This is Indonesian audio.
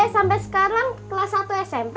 sampai sekarang kelas satu smp